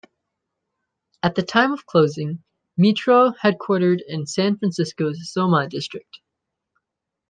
At the time of closing, Meetro headquartered in San Francisco's SoMa district.